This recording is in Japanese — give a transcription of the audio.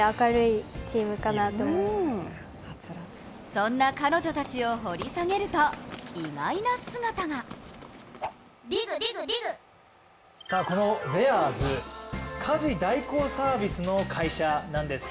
そんな彼女たちを掘り下げると、意外な姿がこのベアーズ、家事代行サービスの会社なんです。